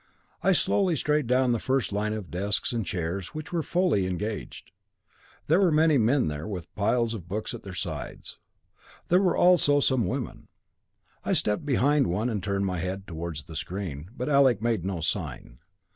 "I slowly strayed down the first line of desks and chairs, which were fully engaged. There were many men there, with piles of books at their sides. There were also some women. I stepped behind one, and turned my head towards the screen, but Alec made no sign.